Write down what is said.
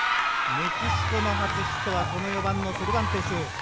メキシコの初ヒットは４番のセルバンテス。